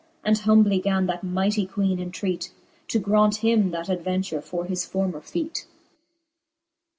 And humbly gan that mightie Queene entreat, To graunt him that adventure for his former feat.